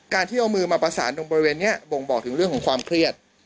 ที่เอามือมาประสานตรงบริเวณนี้บ่งบอกถึงเรื่องของความเครียด